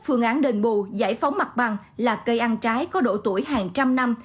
phương án đền bù giải phóng mặt bằng là cây ăn trái có độ tuổi hàng trăm năm